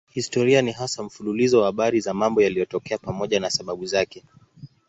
Historia ni hasa mfululizo wa habari za mambo yaliyotokea pamoja na sababu zake.